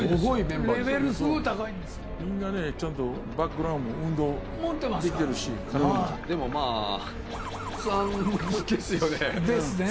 みんなねちゃんとバッググラウンド運動できてるしでもまあですね